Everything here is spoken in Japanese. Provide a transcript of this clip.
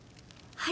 はい。